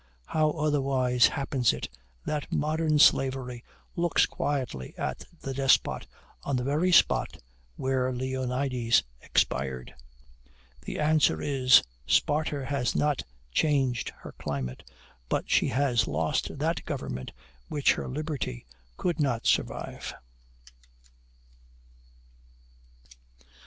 How otherwise happens it, that modern slavery looks quietly at the despot on the very spot where Leonidas expired? The answer is, Sparta has not changed her climate, but she has lost that government which her liberty could not survive."